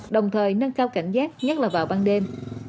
đồng thời nâng cao cảnh giác nhất là vào ban đêm